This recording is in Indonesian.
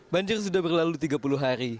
banjir sudah berlalu tiga puluh hari